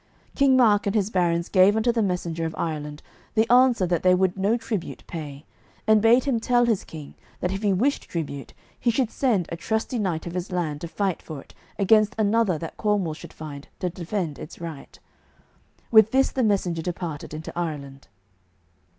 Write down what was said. King Mark and his barons gave unto the messenger of Ireland the answer that they would no tribute pay, and bade him tell his king that if he wished tribute he should send a trusty knight of his land to fight for it against another that Cornwall should find to defend its right. With this the messenger departed into Ireland.